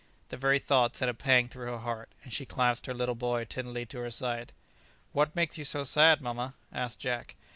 The very thought sent a pang through her heart, and she clasped her little boy tenderly to her side. "What makes you so sad, mamma?" asked Jack.